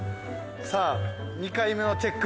さあ２回目のチェック。